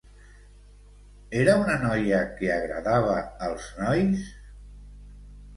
Era una noia que agradava als nois?